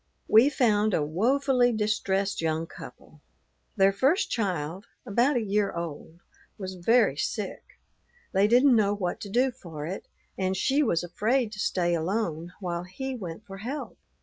We found a woefully distressed young couple. Their first child, about a year old, was very sick. They didn't know what to do for it; and she was afraid to stay alone while he went for help.